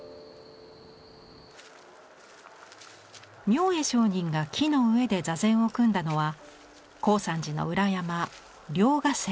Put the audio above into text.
明恵上人が木の上で坐禅を組んだのは高山寺の裏山楞伽山。